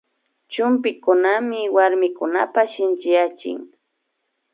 Chumpikunami warmikunata shinchiyachin